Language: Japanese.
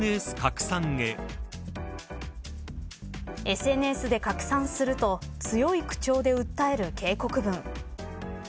ＳＮＳで拡散すると強い口調で訴える警告文。